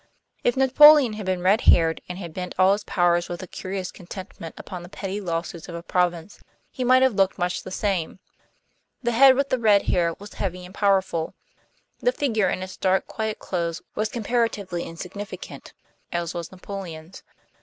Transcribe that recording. If Napoleon had been red haired, and had bent all his powers with a curious contentment upon the petty lawsuits of a province, he might have looked much the same; the head with the red hair was heavy and powerful; the figure in its dark, quiet clothes was comparatively insignificant, as was Napoleon's.